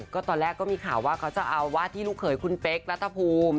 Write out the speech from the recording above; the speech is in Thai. ก็ตอนแรกก็มีข่าวว่าเขาจะเอาวาดที่ลูกเขยคุณเป๊กรัฐภูมิ